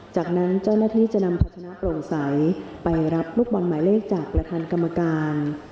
จากนั้นเจ้าหน้าที่จะนำพัชนะโปร่งใสไปรับลูกบอลหมายเลขจากประธานกรรมการ